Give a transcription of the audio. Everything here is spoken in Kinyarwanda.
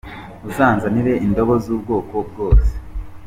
Unzanire indobo zubwoko bwose.